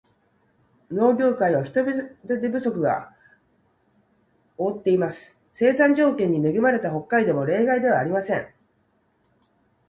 農業界を人手不足が覆っています。生産条件に恵まれた北海道も例外ではありません。